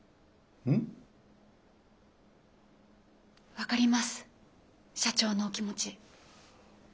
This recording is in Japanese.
分かります社長のお気持ち。